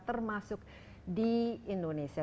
termasuk di indonesia